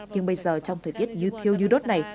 nhưng bây giờ trong thời tiết như thiêu như đốt này